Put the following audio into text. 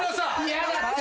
嫌だって。